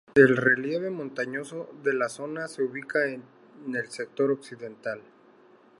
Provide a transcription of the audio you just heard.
El relieve montañoso de la zona se ubica en el sector occidental.